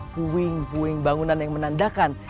puing puing bangunan yang menandakan